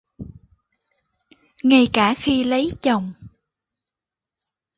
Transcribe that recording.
Ngay cả khi lấy chồng